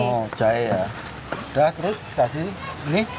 oh jahe ya udah terus dikasih ini